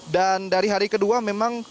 dan dari hari kedua memang